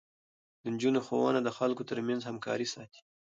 د نجونو ښوونه د خلکو ترمنځ همکاري ساتي.